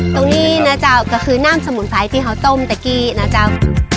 ตรงนี้นะเจ้าก็คือน้ำสมุนไพรที่เขาต้มตะกี้นะเจ้า